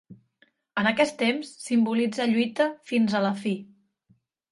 En aquest temps simbolitza lluita fins a la fi.